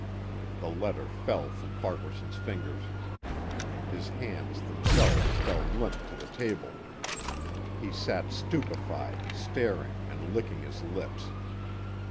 _ The letter fell from Farquaharson's fingers. His hands themselves fell limp to the table. He sat stupefied staring and licking his lips.